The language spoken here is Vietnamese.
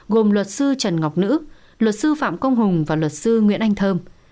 gồm luật sư trần ngọc nữ luật sư phạm công hùng và luật sư nguyễn anh thơm